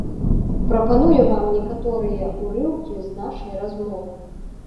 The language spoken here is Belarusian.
Прапаную вам некаторыя урыўкі з нашай размовы.